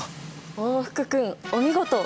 お福君お見事！